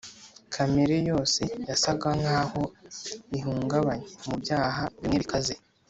kamere yose yasaga nkaho ihungabanye mubyaha bimwe bikaze,